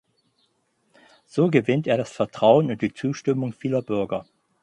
So gewinnt er das Vertrauen und die Zustimmung vieler Bürger.